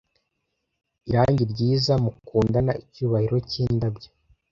irangi ryiza mukundana icyubahiro cyindabyo